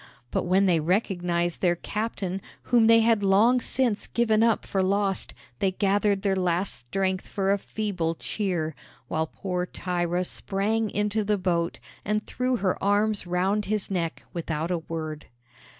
But when they recognized their captain, whom they had long since given up for lost, they gathered their last strength for a feeble cheer, while poor Thyra sprang into the boat, and threw her arms round his neck without a word.